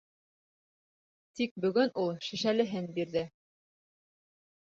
Тик бөгөн ул шешәлеһен бирҙе.